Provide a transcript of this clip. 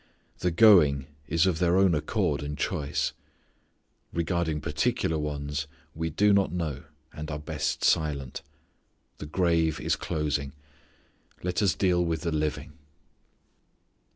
The going is of their own accord and choice. Regarding particular ones we do not know and are best silent. The grave is closing. Let us deal with the living.